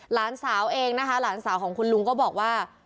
หลานสาวเองนะคะหลานสาวของคุณลุงก็บอกว่า